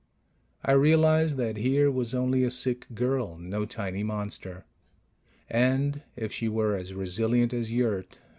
I realized that here was only a sick girl, no tiny monster. And if she were as resilient as Yurt